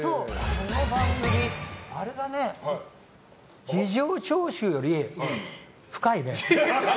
この番組、事情聴取より深いね。